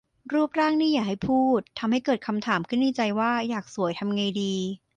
รูปร่างนี่อย่าให้พูด ทำให้เกิดคำถามขึ้นในใจว่า อยากสวยทำไงดี